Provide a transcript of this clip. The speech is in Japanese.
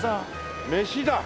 飯だ！